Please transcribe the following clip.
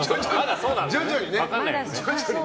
徐々にね。